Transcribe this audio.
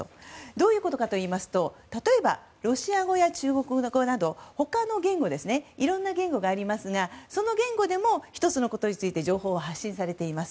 どういうことかといいますと例えばロシア語や中国語など、他の言語いろんな言語がありますがその言語でも１つのことについて情報は発信されています。